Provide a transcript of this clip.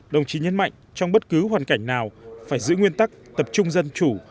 đồng chí nhấn mạnh trong bất cứ hoàn cảnh nào phải giữ nguyên tắc tập trung dân chủ